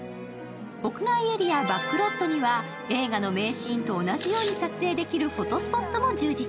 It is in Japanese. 屋外エリア、バックロットには映画の名シーンと同じように撮影できるフォトスポットも充実。